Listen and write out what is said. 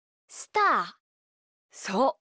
そう。